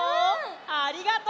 ありがとう！